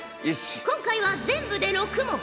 今回は全部で６問。